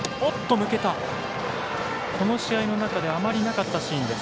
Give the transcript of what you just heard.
抜けた、この試合の中であまりなかったシーンです。